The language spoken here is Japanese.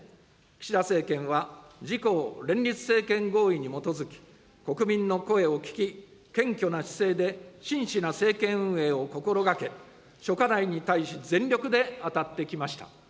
岸田政権は、自公連立政権合意に基づき、国民の声を聞き、謙虚な姿勢で真摯な政権運営を心がけ、諸課題に対し、全力で当たってきました。